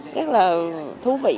rất là thú vị